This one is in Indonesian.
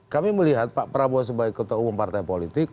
kami melihat pak prabowo sebagai ketua umum partai politik